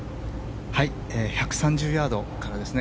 １３０ヤードからですね。